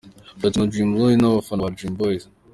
Platini wa Dream Boys n’abafana ba Dream Boys.